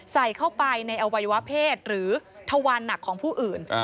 ใส่เข้าไปในอวัยวะเพศหรือทวารหนักของผู้อื่น